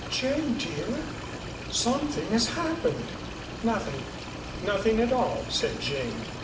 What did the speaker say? "Jane, dear, something has happened." "Nothing nothing at all," said Jane.